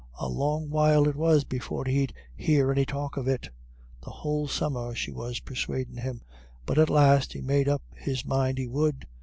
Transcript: A long while it was before he'd hear any talk of it. The whole summer she was persuadin' him; but at last he made up his mind he would.